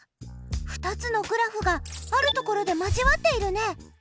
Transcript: ２つのグラフがあるところで交わっているね。